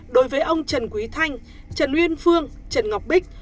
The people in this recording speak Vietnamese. đối với ông trần quý thanh trần uyên phương trần ngọc bích